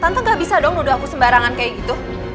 tante gak bisa dong aku sembarangan kayak gitu